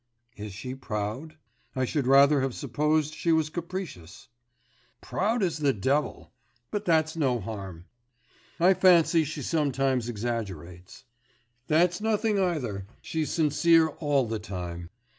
'Is she proud? I should rather have supposed she was capricious.' 'Proud as the devil; but that's no harm.' 'I fancy she sometimes exaggerates....' 'That's nothing either, she's sincere all the same.